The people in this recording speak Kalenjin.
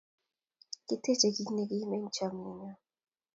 kiteje kit ne kim eng' chamiet nyo